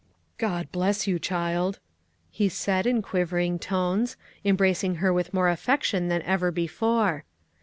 "God bless you, child!" he said, in quivering tones, embracing her with more affection than ever before.